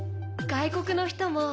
外国の人も。